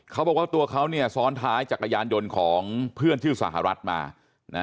เขาบอกว่าตัวเขาเนี่ยซ้อนท้ายจักรยานยนต์ของเพื่อนชื่อสหรัฐมานะ